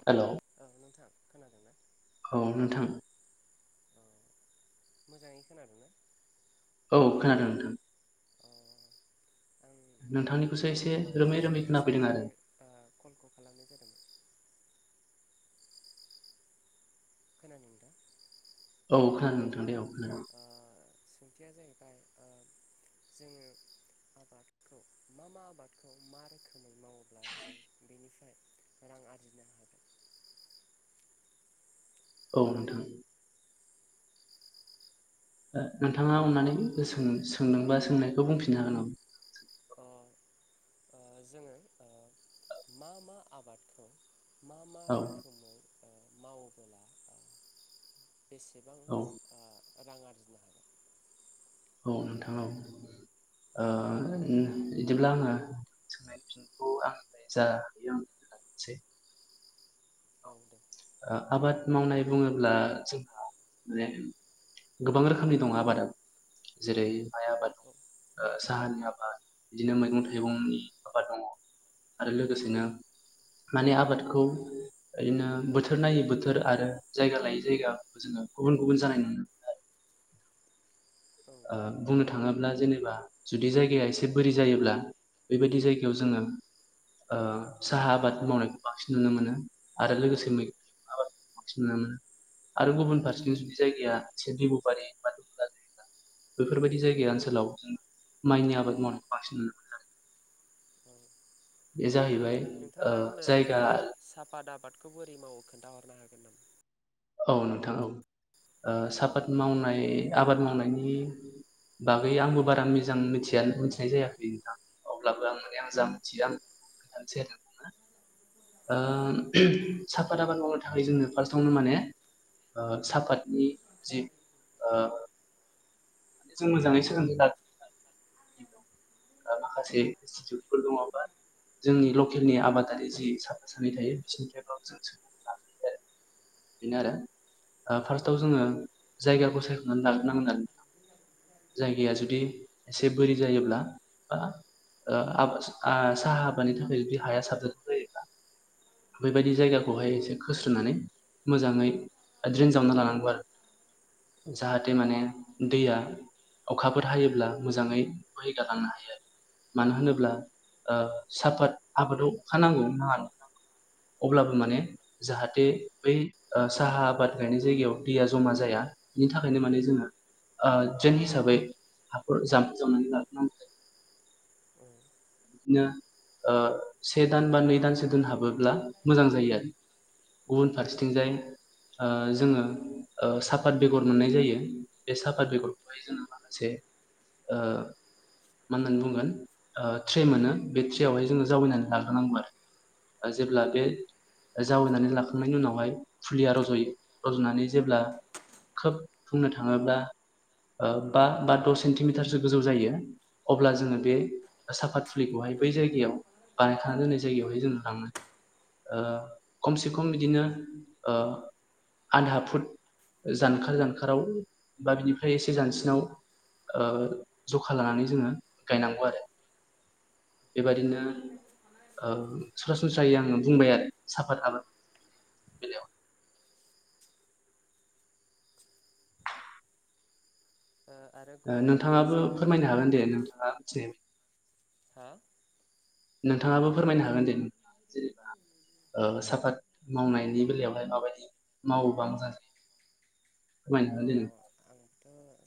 हेल' औ नोंथां खोनादोंना औ नोंथां। अ' मोजाङै खोनादोंना? औ खोनादों नोंथां। अ आं नोंथांनिखौसो नोंथांनाव एसे माखासे रोमै रोमै सोंथि खोनाफैदों सोंनो आरो थाखाय ओ कलखौ खालामनाय जादोंमोन। खोनादों नोंथां? औ खोनादों नोंथां दे औ। खोनादों ओ सोंथिया जाहैबाय ओ जोङो आबादखौ, मा मा आबादखौ मा रोखोमै मावोब्ला जों बेनिफ्राय रां आरजिनो हागोन? औ नोंथां। नोंथाङा अननानै सों-सोंदोंबा सोंनायखौ बुंफिननो हागोन नामा? अह, ओ जोङो ओ मा मा आबादखौ मा मा औ रोखोमै ओ मावोबोला बेसेबां औ ओ रां आरजिनो हागोन? औ नोंथां औ ओ इदिब्ला आङो सोंनाय फिनायखौ आंनिफ्राय जा हायो आं होलांनोसै। औ दे। ओ आबाद मावनाय बुङोब्ला जोंहा माने गोबां रोखोमनि दं आबादाव। जेरै- माइ आबाद दं, औ ओ साहानि आबाद, बिदिनो मैगं थाइगंनि आबाद दङ। आरो औ लोगोसेनो माने आबादखौ ओरैनो बोथोर थोर नायै बोथोर आरो जायगा लायै जायगा जोङो गुबुन गुबुन जानाय नुनो मोनो आरो। औ आ बुंनो थाङोब्ला जेनेबा जुदि जायगाया एसे बोरि जायोब्ला, बेबायदि जायगायाव जोङो ओ साहा आबाद मावनायखौ बांसिन नुनो मोनो आरो लोगोसे मैगं थाइगं आबाद बांसिन नुनो मोनो आरो गुबुन फारसेथिं जुदि जायगाया एसे दैब'बारि बा दुब्लि बारि बेफोरबायदि जायगाया ओनसोलाव जों माइनि आबाद मावनायखौ बांसिन नुनो मोनो आरो। औ ओ नोंथाङा ओ आंनो जायगा ओ साफात आबादखौ बोरै मावो खोन्थाहरनो हागोन [inaudible] औ नोंथां औ। ओ साफात मावनाय आबाद मावनायनि बागै आंबो बारा मिजां मिथिया मिथिनाय जायाखै नोंथां। अब्लाबो आं बे आं औ जां मिथियो आं खोनथासै आरो नोंथां ना। ओ साफाद आबाद मावनो थाखाय जोंनो फास्टावनो माने ओ साफातनि जि ओ माने जों मोजाङै सोलोंगो [unintelligible] ओ माखासे इनस्टिटिउटफोर दङ बा जोंनि लकेलनि आबादारि जि साफा सानै थायो बिसोरनिफ्रायबो जों सोंलोंना लानो हायो आरो [inaudible] बेनो आरो। फार्स्टआव जोङो जायगाखौ सायख'नानै लाग्रोनांगोन आरो नोंथां। जायगाया जुदि एसे बोरि जायोब्ला बा ओ आबाच साहा आबादनि थाखाय जुदि हाया साबजाथाव जायो, [inaudible] बेबायदि जायगाखौहाय एसे खोस्रोनानै मोजाङै ड्रेन जावना लानांगौ आरो। औ जाहाथे माने दैया अखाफोर हायोब्ला मोजाङै बोहैगारलांनो हायो। मानो होनोब्ला ओ साफात आबादाव अखा नांगौ। अब्लाबो माने जाहाथे बै ओ साहा आबाद गायनाय जायगायाव दैया जमा जाया। बिनि थाखायनो माने जोङो ओ ड्रेन हिसाबै हाखौ जामफै जावनानै लाग्रोनांगौ जायो। [inaudible] नो ओ से दान बा नै दानसो दोनहाबोब्ला मोजां जायो आरो। गुबुन फारसेथिंजाय ओ जोङो साफात बेगर मोननाय जायो। बे साफात बेगरखौहाय जोङो माखासे ओ मा होननानै बुंगोन ट्रे मोनो बे ट्रेयावहाय जोङो जावैनानै लाग्रोनांगौ आरो औ जेब्ला बे औ। जावैनानै लाखांनायनि उनावहाय फुलिया रज' रज'नानै जेब्ला खोब बुंनो थाङोब्ला ओ बा बा द' सेन्टिमिटारसो गोजौ जायो अब्ला जोङो बे साफात फुलिखौहाय बै जायगायाव बानायखानानै दोननाय जायगायावहाय जोङो लाङो। ओ खमसे खम बिदिनो ओ आधा फुट जानखार जानखाराव बा बिनिफ्राय एसे जानसिनाव ओ जखा लानानै जोङो गायनांगौ आरो। औ ओ बेबादिनो ओ सरासनस्रायै आङो बुंबाय आरो साफात आबाद बेलायाव आरो गुबुन आबादनि नोंथाङाबो सायाव बुंनो फोरमायनो हाबावगोन हागोन दे नामा? नोंथाङा मिथिनाय हा? नोंथाङाबो फोरमायनो हागोन दे जेनेबा साफात मावनायनि बेलायावहाय माबायदि मावोबा मोजां जायो। अ खमायनो आंथ'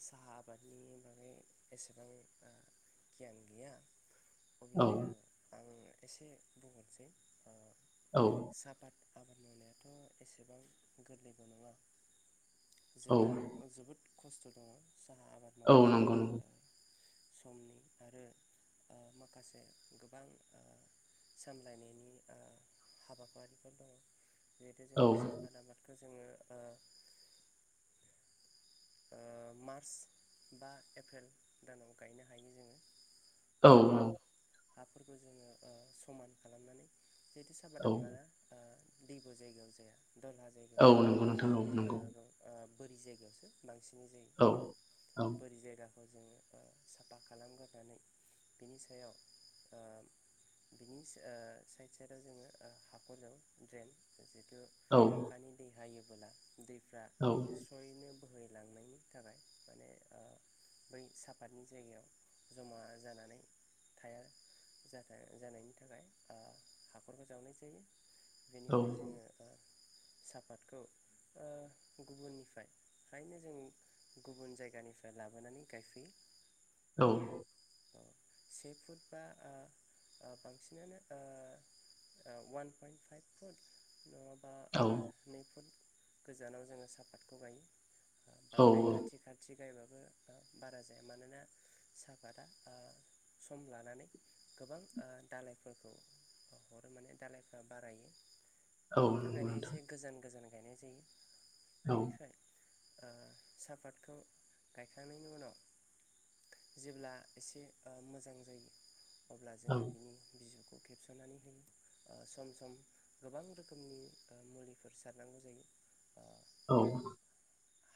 साहा आबादनि बागै एसेबां गियान गैया। औ अब्लाबो आं एसे बुंहरसै औ साहापाद आबाद मावनायाथ' एसेबां गोरलैबो नङा औ जेबां जोबोद खस्थ' दङ साहा आबाद औ नंगौ नंगौ मावनायावबो समनि आरो माखासे गोबां सामलायनायनि हाबाफारिफोर दङ। जिहेथु औ जोङो साहाफाद आबादखौ जोङो मार्च बा एप्रिल दानाव गायनो हायो जोङो। औ औ। ओ हाफोरखौ जोङो समान खालामनानै जिहेतु साबाद औ आबादा ओ दैब' जायगायाव जाया दहहा जायगायाव औ नंगौ नोंथां औ नंगौ जाया बोरि जायगायावसो बांसिनै औ औ खौ जोङो साफा खालामग्रोनानै बिनि सायाव ओ बिनि साइद साइदाव जोङो हाखरजों ड्रेन औ बाहायोबोला दैफ्रा औ स्रयैनो बोहैलांनायनि थाखाय माने बै साफातनि जायगायाव जमा जानानै थाया जानायनि थाखाय हाखरबो जावनाय जायो। औ बेनिफ्राय जोङो सापातखौ गुबुननिफ्राय खायनो जों गुबुन जायगानिफ्राय लाबोनानै गायफैयो। औ। औ से फुट बा आ बांसिनानो ओ वान पइन्ट फाइभ फुट ओ औ। नै फुट गोजानाव जोङो सापातखौ गायो बांद्राय औ खाथि खाथि गायबा बारा जाया मानोना साहफादा सम लानानै गोबां दालायफोरखौ हर माने दालायफ्रा बारायो। औ बेनि नंगौ थाखायनो नोंथां एसे गोजान गोजान गायनाय जायो औ बेनिफ्राय ओ साहापातखौ गायखांनायनि उनाव जेब्ला एसे मोजां जायो अब्ला औ जोङो बिनि बिजौखौ खेबस'नानै होयो सम सम गोबां रोखोमनि मुलिफोर सारनांगौ जायो। अह। औ।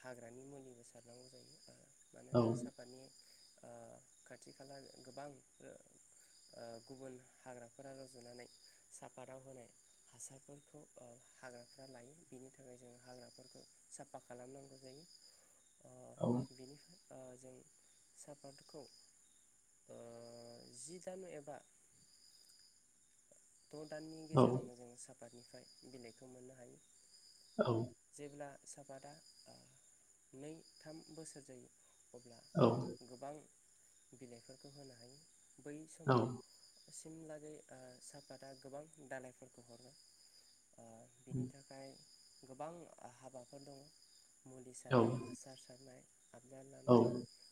हाग्रानि मुलिबो सारनांगौ जायो। ओ औ मानोना सापातनि ओ खाथि खाला गोबां ओ ओ गुबुन हाग्राफोरा रजुनानै, साफाताव होनाय हासारफोरखौ ओ हाग्राफ्रा लायो। बेनि थाखाय जों हाग्राफोरखौ साफा खालामनांगौ। जायो। ओ औ। बिनिफ्राय जों सापातखौ ओ जि दान एबा द' दाननि औ गेजेरावनो जोङो सापातनिफ्राय बिलाइखौ मोननो हायो। औ। सापादा नै थाम बोसोर जायो। अब्ला औ गोबां बिलाइफोरखौ होनो हायो। बै समाव सिमलागै साफाता गोबां दालाायफोरखौ हरो। ओ बिनि थाखाय गोबां हाबाफोर दङ। मुलि सारनाय, हासार सारनाय, आबदार लानाय,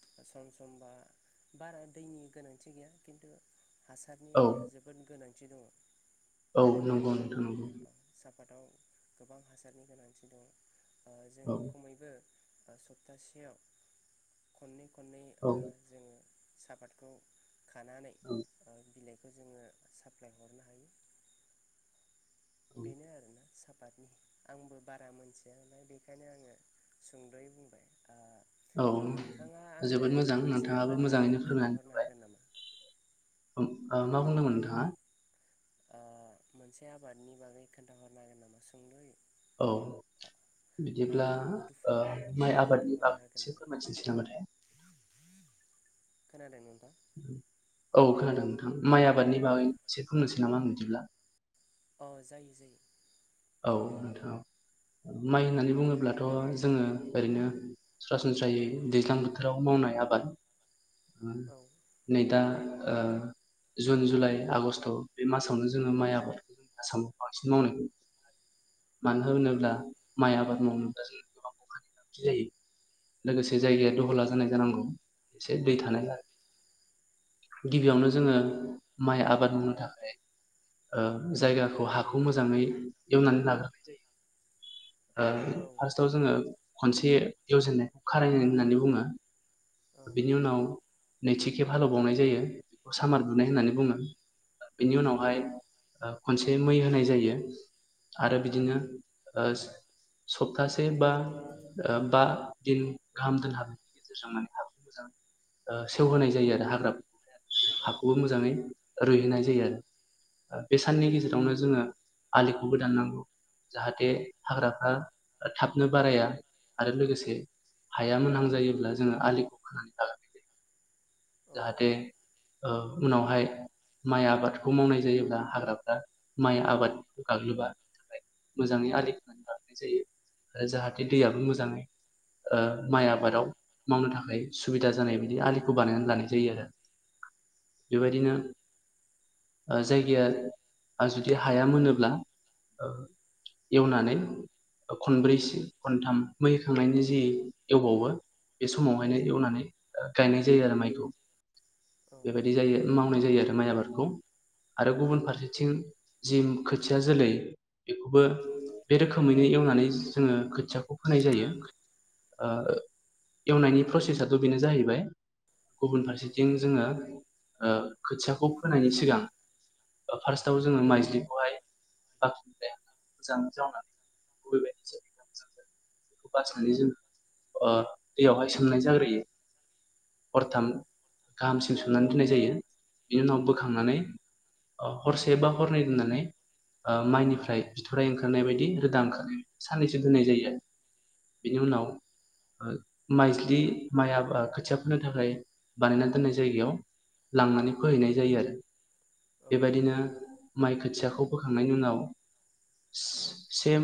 ससार होमबा बारा दैनि गोनांथि गैया। खिन्थु, हासारनि औ जोबोद गोनांथि। दङ। औ नंगौ नोंथां नंगौ। साफादाव गोबां हासारनि गोनांथि दं ओ जोङो, खमैबो सप्तासेयाव खनै खन औ। सापतखौ खानानै ओ बिलाइ खौ जोङो साप्लााय हरनो हायो। औ बेनो आरोना साफ त आबादनि आंबो बारा मोनथिया नालाय बेखायनो आङो सुंद'यै बुंबाय ओ औ नोंथाङा आंनो जोबोद मोजां मोनसे नोंथाङाबो आबादनि मोजाङैनो फोरमायनानै खोन्थाहरनो होबाय हागोन नामा? मा हेलौ बुंदोंमोन नोंथां नोंथाङा? ओ मोनसे आबादनि बागै खोन्थाहरनागोन नामा सुद'यै औ। बिदिब्ला ओ मुदुफुल आबादनि माइ बागै आबादनि खोन्थाहरनो बागै हागोन एसे नामा फोरमायथिनसै नामा थाय? खानादों नोंथां? औ खोनादों नोंथां माइ आबादनि बागै एसे बुंनोसै नामा आं बिदिब्ला? अ जायो जायो। औ नोंथाङा माइ होननानै बुङोब्लाथ' जोङो ओरैनो सरासनस्रायै दैज्लां बोथोराव माव मावनाय आबाद औ नै दा ओ जुन जुलाइ आगष्ट बे मासावनो जोङो माइ आबादखौ जोंनि आसामाव बांसिन मावनायखौ मानो औ होनोब्ला माइ आबाद समाव [unintelligible] जों गोबां अखानि गोनांथि जायो लोगोसे जायगाया दहला जानाय जानांगौ। एसे दै औ थानाय आरो गिबियावनो जोङो माइ आबाद मावनो थाखाय ओ जायगाखौ हाखौ मोजाङै एवनानै लाग्रोनाय जायो। औ ओ फार्स्टाव जोङो खनसे एवजेननायखौ खारायनाय होननानै बुङो। औ बिनि उनाव नैथि खेब हालेवबावनाय जायो बेखौ सामार बुनाय होननानै बुङो। औ बेनि उनावहाय ओ खनसे मै होनाय जायो। आरो बिदिनो ओ सप्तासे बा ओ बा दिन गाहाम दोनहाबो हाखौ मोजाङै सेवहोनाय जायो आरो हाग्रा औ हाखौबो मोजाङै रुइहोनाय जायो आरो बे साननि गेजेरावनो जोङो आलिखौबो दाननांगौ। जाहाथे हाग्राफ्रा थाबनो बाराया आरो लोगोसे हाया मोनहां जायोब्ला जोङो आलिखौ खानानै लाग्रोनाय जायो [inaudible] जाहाथे ओ उनावहाय माइ आबादखौ मावनाय जायोब्ला हाग्राफ्रा माइ आबाद गाग्लोबा बिनि थाखाय मोजाङै आलि खोनानै गायनाय जायो आरो जाहाथे दैयाबो मोजाङै ओ माइ आबादाव मावनो थाखाय सुबिदा जानाय बायदि आलिखौ बानायनानै लानाय जायो आरो बेबायदिनो ओ जायगाया जुदि हाया मोनोब्ला एवनानै खनब्रैसो खनथाम मैहाखांनायनि जि एवबावो बे समावहायनो एवनानै गायनाय जायो आरो माइखौ बेबायदि जायो मावनाय जायो आरो माइ आबादखौ आरो गुबुन फारसेथिं जि खोथिया जोलै बेखौबो बे रोखोमैनो एवनानै जोङो खोथिया होनाय जायो ओ एवनायनि प्रसेसथ' बेनो जाहैबाय गुबुन औ फारसेथिं जोङो ओ खोथियाखौ फोनायनि सिगां फार्स्टआव जोङो माइज्लिखौहाय बाख्रिनिफ्राय मोजां जावनानै [unintelligible] बासिनानै जोङो ओ दैयावहाय सोमनाय जाग्रोयो हरथाम गाहामसिम सोमनानै दोननाय जायो बेनि उनाव बोखांनानै अ हरसे बा हरनै दोननानै ओ माइनिफ्राय बिथ'राइ ओंखारनाय बायदि रोदा ओंखारनाय साननैसो दोननाय जायो आरो बेनि उनाव ओ माइज्लि माइ आ खोथियाफोरनो थाखाय बानायना दोननाय जायगायाव लांनानै फोहैनाय जायो आरो औ बेबायदिनो माइ खोथियाखौ बोखांनायनि उनाव सेम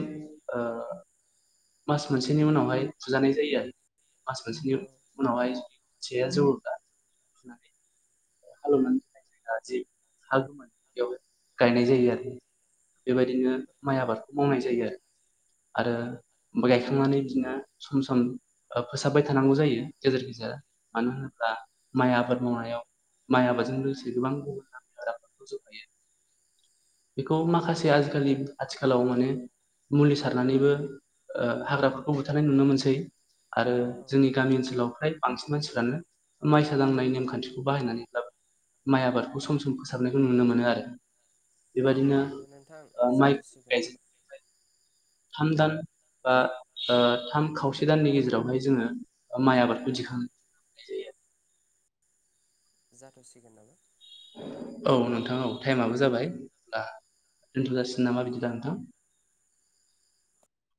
ओ मास मोनसेनि उनावहाय फुजानाय जायो आरो मास मोनसेनि औ उनावहाय जे जुर दा हालेवनानै दोननाय जायगा जि हालबोनाय बेयाव गायनाय जायो आरो बेबायदिनो माइ आबादखौ मावनाय जायो आरो आरो गायखांनानै बिदिनो सम सम फोसाबबाय थानांगौ जायो गेजेर गेजेर मानो होनोब्ला माइ आबाद मावनायाव माइ आबादाजों लोगोसे गोबां गुबुन नामनि हाग्राफोर जौगायो बेखौ माखासे आजिखालि आथिखालाव मोनो मुलि सारनानैबो ओ हाग्राफोरखौ बुथारनाय नुनो मोनसै आरो जोंनि गामि ओनसोलाव फ्राय बांसिन मानसिफ्रानो माइसा दांनाय नेमखान्थिखौ बाहायनानै ब्लाबो माइ आबादखौ सम सम फोसाबनायखौ नुनो मोनो आरो बेबायदिनो नोंथां ओ माइ जाथ'सिगोन नामा गायजोब थाम दान बा ओ थाम खावसे दाननि गेजेरावहाय जोङो माइ खोनादों आबादखौ नोंथां दिखांनाय जायो [inaudible] औ नोंथां औ टाइमाबो जाबाय दा दोनथजासिगोन नामा बिदिबा नोंथां? [inaudible]